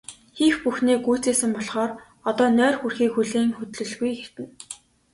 Хийх бүхнээ гүйцээсэн болохоор одоо нойр хүрэхийг хүлээн хөдлөлгүй хэвтэнэ.